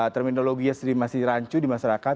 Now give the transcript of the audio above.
terminologi yang sedih masih rancu di masyarakat